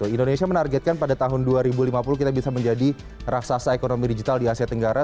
indonesia menargetkan pada tahun dua ribu lima puluh kita bisa menjadi raksasa ekonomi digital di asia tenggara